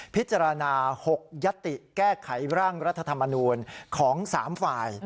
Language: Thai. พิจารณา๖ยัตติแก้ไขร่างรัฐธรรมนูลของ๓ฝ่าย